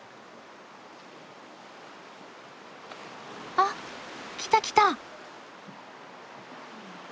あっ来た来た！